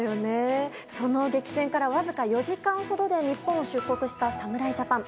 その激戦からわずか４時間ほどで日本を出国した侍ジャパン。